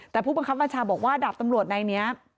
แต่ผู้บังคับบัญชาบอกว่าดาบตำรวจนายนี้